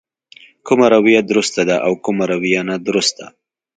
کومه رويه درسته ده او کومه رويه نادرسته.